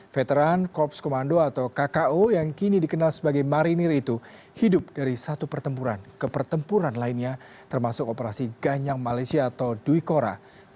veteran korps komando atau kko yang kini dikenal sebagai marinir itu hidup dari satu pertempuran ke pertempuran lainnya termasuk operasi ganyang malaysia atau duikora